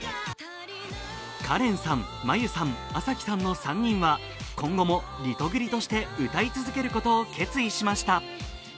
かれんさん、ＭＡＹＵさん、アサヒさんの３人は今後もリトグリとして歌い続けることを決意しました。